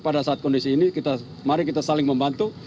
pada saat kondisi ini mari kita saling membantu